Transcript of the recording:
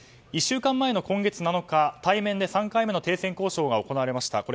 １週間前の今月７日、対面で３回目の停戦交渉が行われました。